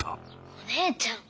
お姉ちゃん